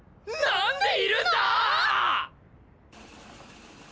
なんでいるのー！？